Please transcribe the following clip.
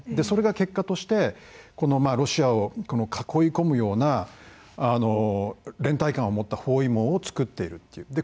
それが結果としてロシアを囲い込むような連帯感を持った包囲網を作っているっていう。